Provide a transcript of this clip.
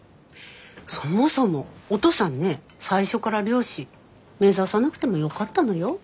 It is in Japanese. そもそもおとうさんね最初から漁師目指さなくてもよかったのよ？